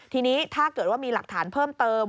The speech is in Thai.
ทีนี้ถ้าเกิดว่ามีหลักฐานเพิ่มเติม